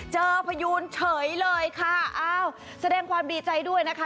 พยูนเฉยเลยค่ะอ้าวแสดงความดีใจด้วยนะคะ